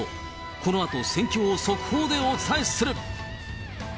このあと戦況を速報でお伝えする。